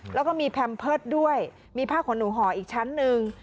แล้วก็มีแพมเพิร์ตด้วยมีผ้าขนหนูห่ออีกชั้นหนึ่ง